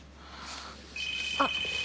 あっ。